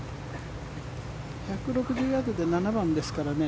１６０ヤードで７番ですからね。